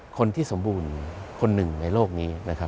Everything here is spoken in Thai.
คนที่สมบูรณ์คนนึงในโลกนี้